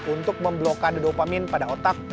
untuk memblokade dopamin pada otak